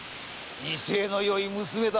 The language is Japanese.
威勢のよい娘だ。